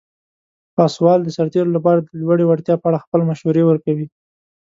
پاسوال د سرتیرو لپاره د لوړې وړتیا په اړه خپل مشورې ورکوي.